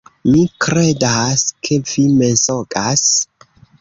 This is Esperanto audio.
Mi kredas, ke vi mensogas